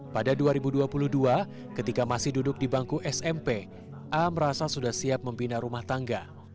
pada dua ribu dua puluh dua ketika masih duduk di bangku smp a merasa sudah siap membina rumah tangga